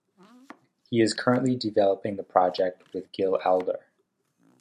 He is currently developing the project with Gil Adler.